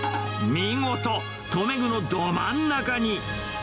見事、留め具のど真ん中に。